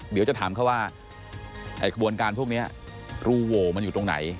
เดี๋ยวจะถามเขาว่าไอ้ขบวนการพวกนี้รูโหวมันอยู่ตรงไหน